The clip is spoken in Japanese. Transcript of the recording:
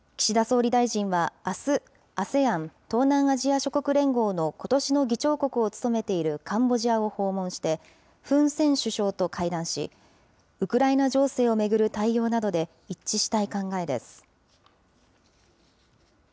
岸田総理大臣はあす、ＡＳＥＡＮ・東南アジア諸国連合のことしの議長国を務めているカンボジアを訪問して、フン・セン首相と会談し、ウクライナ情勢を巡る対応などで一致したい考えです。